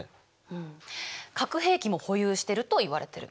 うん核兵器も保有してるといわれてる。